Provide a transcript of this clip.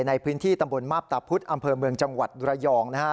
ในพื้นที่ตำบลมาพตาพุธอำเภอเมืองจังหวัดระยองนะฮะ